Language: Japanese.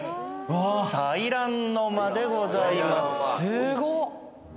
すごっ！